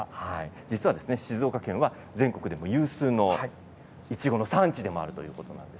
実は静岡県は全国でも有数のいちごの産地でもあるということです。